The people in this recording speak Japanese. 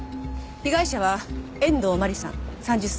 被害者は遠藤真理さん３０歳。